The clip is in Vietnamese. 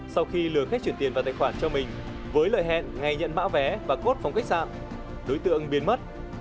sau khi lừa khách chuyển tiền vào tài khoản cho mình với lời hẹn ngày nhận mã vé và cốt phòng khách sạn đối tượng biến mất